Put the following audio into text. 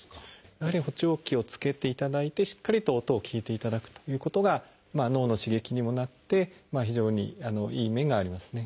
やはり補聴器を着けていただいてしっかりと音を聞いていただくということが脳の刺激にもなって非常にいい面がありますね。